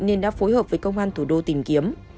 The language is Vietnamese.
nên đã phối hợp với công an thủ đô tìm kiếm